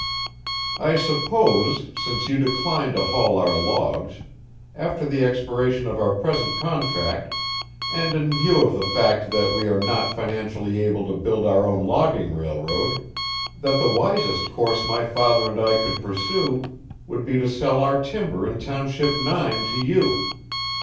"I suppose, since you decline to haul our logs, after the expiration of our present contract, and in view of the fact that we are not financially able to build our own logging railroad, that the wisest course my father and I could pursue would be to sell our timber in Township Nine to you.